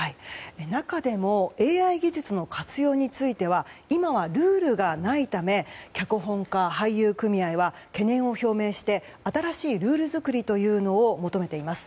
中でもＡＩ技術の活用については今はルールがないため脚本家、俳優組合は懸念を表明して新しいルール作りというのを求めています。